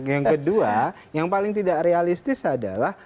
yang kedua yang paling tidak realistis adalah